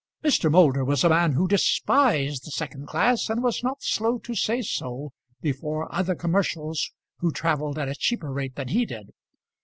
Mr. Moulder was a man who despised the second class, and was not slow to say so before other commercials who travelled at a cheaper rate than he did.